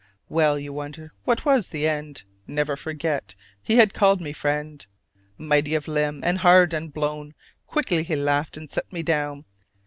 Well, you wonder, what was the end? Never forget; he had called me "friend"! Mighty of limb, and hard, and blown; Quickly he laughed and set me down.